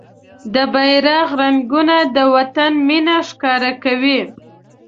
د بېرغ رنګونه د وطن مينه ښکاره کوي.